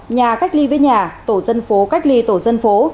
nhà cách ly với nhà tổ dân phố cách ly tổ dân phố